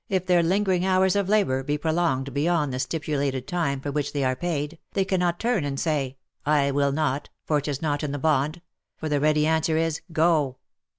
If their lingering hours of labour be prolonged beyond the stipulated time for which they are paid, they cannot turn and say, " I will not, for it is not in the bond," for the ready answer is, " Go.